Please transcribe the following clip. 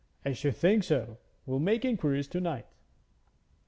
'I should think so. We'll make inquiries to night.'